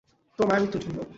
তোর মায়ের মৃত্যুর জন্য।